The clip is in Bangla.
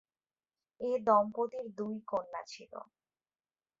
এ দম্পতির দুই কন্যা ছিল।